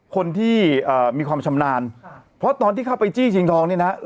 คนที่เอ่อมีความชำนาญค่ะเพราะตอนที่เข้าไปจี้จริงทองนี่นะฮะ